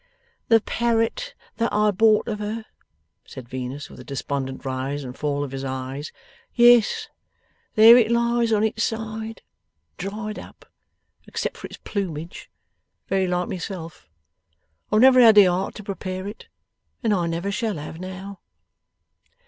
' The parrot that I bought of her,' said Venus, with a despondent rise and fall of his eyes. 'Yes; there it lies on its side, dried up; except for its plumage, very like myself. I've never had the heart to prepare it, and I never shall have now.